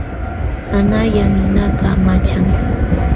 Analla ninata amachan.